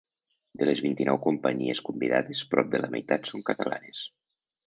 De les vint-i-nou companyies convidades, prop de la meitat són catalanes.